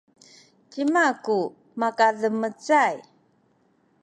cima ku makademecay?